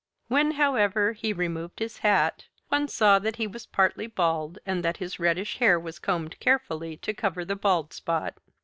When, however, he removed his hat, one saw that he was partly bald and that his reddish hair was combed carefully to cover the bald spot.